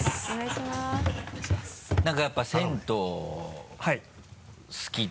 何かやっぱ銭湯好きって。